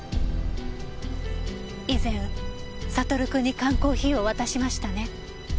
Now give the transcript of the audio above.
以前サトル君に缶コーヒーを渡しましたね？